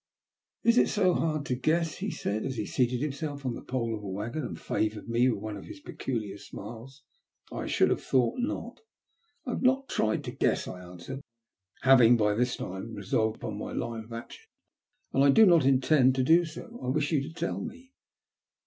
"Is it so hard to guess?" he said, as he seated himself on the pole of a waggon, and favoured me with one of his peculiar smiles. "I should have thought not." THE END. 370 ''I have not tried to guess," I answered, having by this time resolved upon my line of action ;'' and I do not intend to do so. I wish you to tell me.